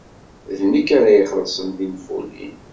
D nekk ara ixellṣen tinfulin.